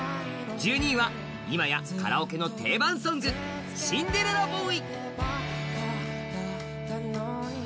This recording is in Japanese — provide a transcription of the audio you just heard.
１２位は今やカラオケの定番ソング、「シンデレラボーイ」。